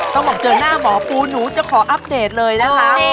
ต้องบอกเจอหน้าหมอปูหนูจะขออัปเดตเลยนะคะ